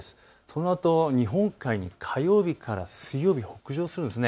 そのあと日本海に火曜日から水曜日、北上するんです。